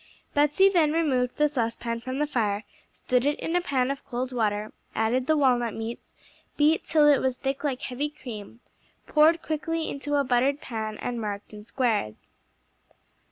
Betsey then removed the saucepan from the fire, stood it in a pan of cold water, added the walnut meats, beat till it was thick like heavy cream, poured quickly into a buttered pan and marked in squares.